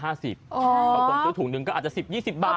บางคนซื้อถุงหนึ่งก็อาจจะ๑๐๒๐บาท